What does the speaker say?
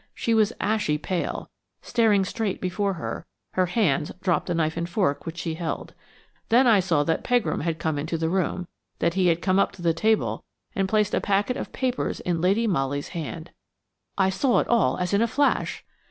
She was ashy pale, staring straight before her; her hands dropped the knife and fork which she had held. Then I saw the Pegram had come into the room, that he had come up to the table and placed a packet of papers in Lady Molly's hand. I saw it all as in a flash!